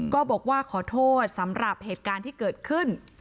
ก็บอกว่าขอโทษสำหรับเหตุการณ์ที่เกิดขึ้น